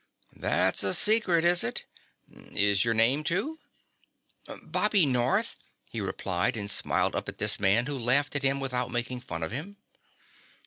"That's a secret, is it? Is your name, too?" "Bobby North," he replied and smiled up at this man who laughed at him without making fun of him.